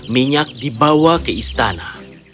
minyak dibawa ke istana